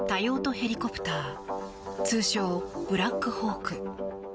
ヘリコプター通称・ブラックホーク。